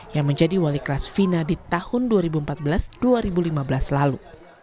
yang menjadi wali kelas fina di tahun dua ribu empat belas dua ribu lima belas lalu